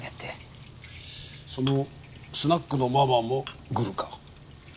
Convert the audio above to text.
そのスナックのママもグルか？